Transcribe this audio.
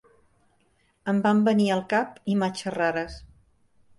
Em van venir al cap imatges rares.